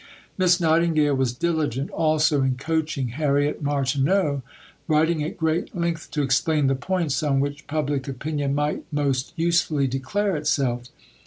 Miss Nightingale was diligent also in coaching Harriet Martineau, writing at great length to explain the points on which public opinion might most usefully declare itself.